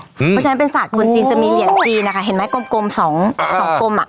เพราะฉะนั้นเป็นศาสตร์คนจีนจะมีเหรียญจีนนะคะเห็นไหมกลมสองกลมอ่ะ